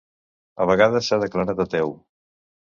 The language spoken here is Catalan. A vegades s'ha declarat ateu.